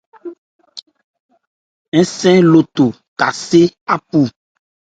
Ńnephan ngbóngbo nɔn ebhó bhwetɔ́.